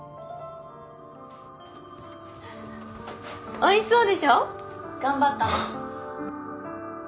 おいしそうでしょ？頑張ったの。